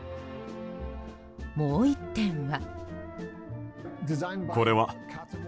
もう１点は。